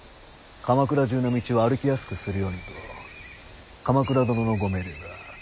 鎌倉中の道を歩きやすくするようにと鎌倉殿のご命令だ。